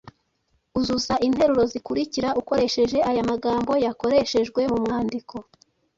Uzuza interuro zikurikira ukoresheje aya magambo yakoreshejwe mu mwandiko: